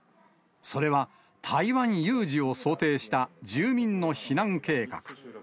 それは台湾有事を想定した、住民の避難計画。